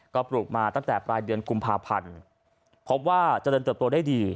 ก็ปลูกมาตั้งแต่ปลายเดือนกุมภาพันธ์พบว่าเจริญเติบโตได้ดี